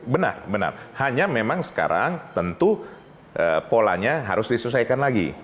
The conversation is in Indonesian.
benar benar hanya memang sekarang tentu polanya harus diselesaikan lagi